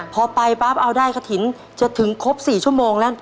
พอไปปั๊บเอาได้กระถิ่นจะถึงครบ๔ชั่วโมงแล้ว